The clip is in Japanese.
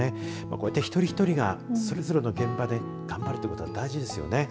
こうやって一人一人がそれぞれの現場で頑張るということが大事ですよね。